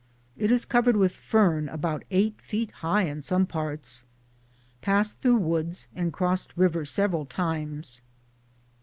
It is covered with fern about 8 feet high in some parts. Passed through woods and crossed river several times.